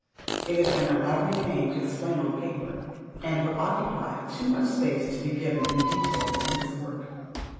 It is an elaborate game to explain on paper, and would occupy too much space to be given in detail in this work.